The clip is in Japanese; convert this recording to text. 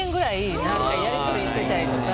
やりとりしてたりとか。